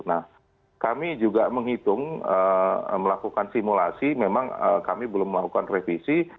nah kami juga menghitung melakukan simulasi memang kami belum melakukan revisi